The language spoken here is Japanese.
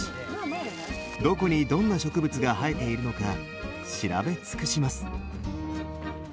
どこにどんな植物が生えているのか調べ尽くします。